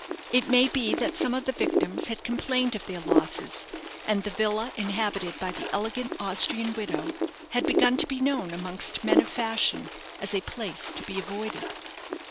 It may be that some of the victims had complained of their losses, and the villa inhabited by the elegant Austrian widow had begun to be known amongst men of fashion as a place to be avoided.